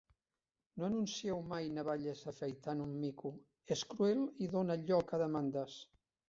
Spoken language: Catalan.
No anuncieu mai navalles afaitant un mico, és cruel i dona lloc a demandes.